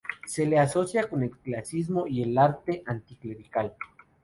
Se le asocia con el clasicismo y el arte anticlerical.